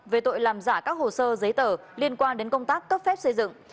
về tội làm giả các hồ sơ giấy tờ liên quan đến công tác cấp phép xây dựng